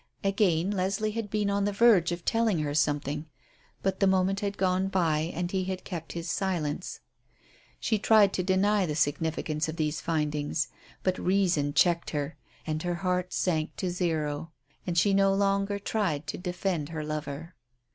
Again Leslie had been on the verge of telling her something, but the moment had gone by and he had kept silence. She tried to deny the significance of these things, but reason checked her, and her heart sank to zero. And she no longer tried to defend her lover.